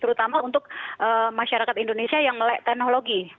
terutama untuk masyarakat indonesia yang melek teknologi